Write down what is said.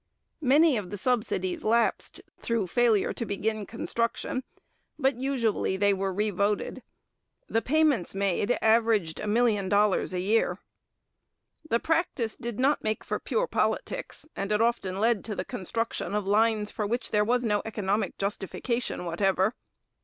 Many of the subsidies lapsed through failure to begin construction, but usually they were revoted. The payments made averaged a million dollars a year. The practice did not make for pure politics, and it often led to the construction of lines for which there was no economic justification whatever.